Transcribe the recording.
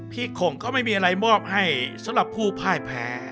ข่งก็ไม่มีอะไรมอบให้สำหรับผู้พ่ายแพ้